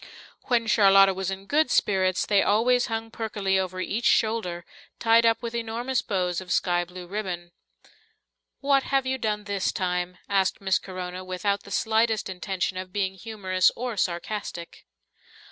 When Charlotta was in good spirits, they always hung perkily over each shoulder, tied up with enormous bows of sky blue ribbon. "What have you done this time?" asked Miss Corona, without the slightest intention of being humorous or sarcastic.